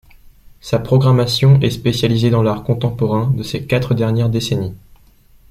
Sa programmation est spécialisée dans l'art contemporain de ces quatre dernières décennies.